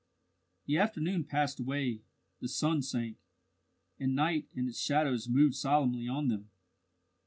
The afternoon passed away, the sun sank, and night and its shadows moved solemnly on them.